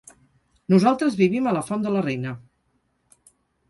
Nosaltres vivim a la Font de la Reina.